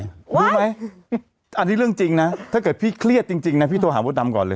รู้ไหมอันนี้เรื่องจริงนะถ้าเกิดพี่เครียดจริงนะพี่โทรหามดดำก่อนเลย